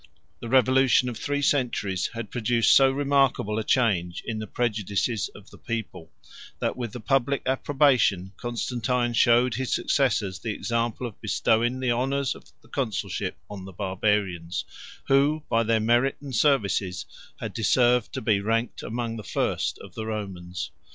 The revolution of three centuries had produced so remarkable a change in the prejudices of the people, that, with the public approbation, Constantine showed his successors the example of bestowing the honors of the consulship on the Barbarians, who, by their merit and services, had deserved to be ranked among the first of the Romans.